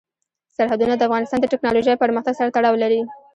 سرحدونه د افغانستان د تکنالوژۍ پرمختګ سره تړاو لري.